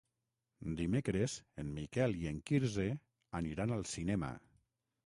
Dimecres en Miquel i en Quirze aniran al cinema.